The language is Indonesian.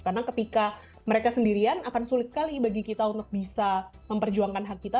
karena ketika mereka sendirian akan sulit sekali bagi kita untuk bisa memperjuangkan hak kita